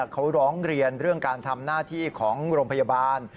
เขาร้องเรียนเรื่องการทำหน้าที่ของโรงพยาบาล